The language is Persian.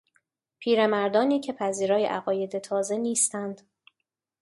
پیرمردانی که پذیرای عقاید تازه نیستند